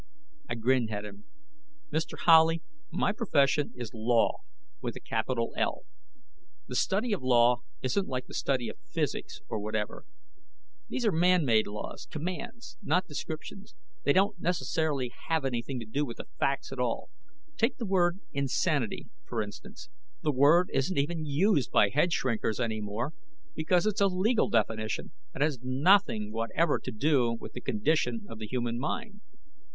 I grinned at him. "Mr. Howley, my profession is Law with a capital L. The study of the Law isn't like the study of physics or whatever; these are manmade laws commands, not descriptions. They don't necessarily have anything to do with facts at all. Take the word 'insanity,' for instance; the word isn't even used by head shrinkers any more because it's a legal definition that has nothing whatever to do with the condition of the human mind.